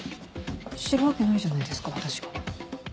知るわけないじゃないですか私が。